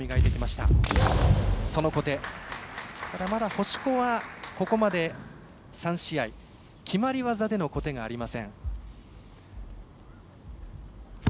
ただ、まだ星子はここまで３試合決まり技での小手がありません。